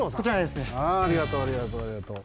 ありがとうありがとうありがとう。